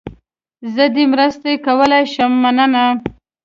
زه دې مرسته کولای شم، مننه.